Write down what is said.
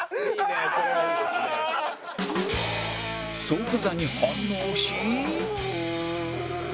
即座に反応し